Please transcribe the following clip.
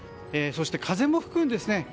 そして風も吹くんですね。